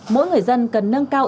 mỗi người dân cần nâng cao